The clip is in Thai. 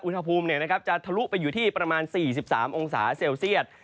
อุณหภูมิจะทะลุไปอยู่ที่ประมาณ๔๓องศาเซลเซียต